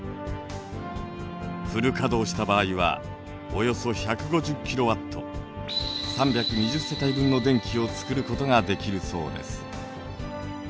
フル稼働した場合はおよそ１５０ｋＷ３２０世帯分の電気を作ることができるそうです。